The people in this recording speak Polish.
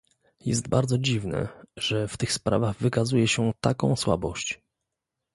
Jest bardzo dziwne, że w tych sprawach wykazuje się taką słabość